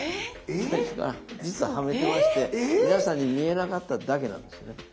実ははめてまして皆さんに見えなかっただけなんですよね。